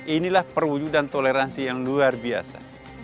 inilah perwujudan toleransi yang luar biasa